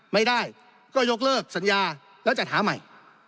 ไม่ได้ก็ยกเลิกสัญญาแล้วจัดหาใหม่